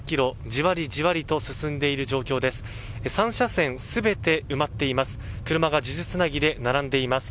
じわりじわりと進んでいる状況です。